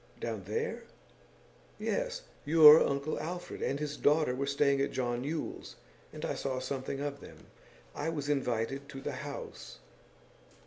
'Down there?' 'Yes. Your uncle Alfred and his daughter were staying at John Yule's, and I saw something of them. I was invited to the house.